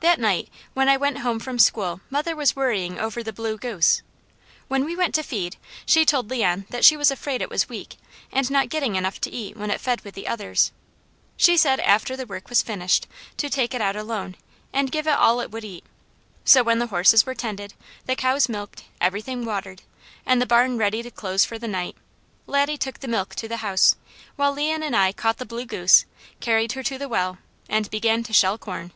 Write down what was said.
That night when I went home from school mother was worrying over the blue goose. When we went to feed, she told Leon that she was afraid it was weak, and not getting enough to eat when it fed with the others. She said after the work was finished, to take it out alone, and give it all it would eat; so when the horses were tended, the cows milked, everything watered, and the barn ready to close for the night, Laddie took the milk to the house, while Leon and I caught the blue goose, carried her to the well, and began to shell corn.